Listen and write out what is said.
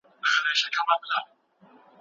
راتلونکی تل د نویو فرصتونو ځای دی.